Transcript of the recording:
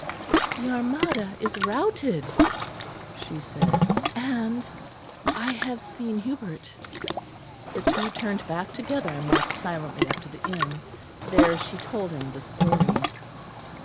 "The Armada is routed," she said; "and I have seen Hubert." The two turned back together and walked silently up to the inn. There she told him the story.